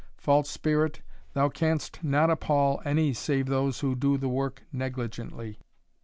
False spirit, thou canst not appal any save those who do the work negligently."